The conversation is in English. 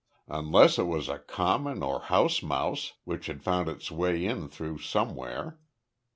"Unless it was a common or house mouse which had found its way in through somewhere.